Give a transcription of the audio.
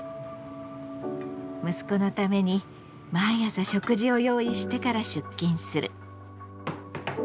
息子のために毎朝食事を用意してから出勤する。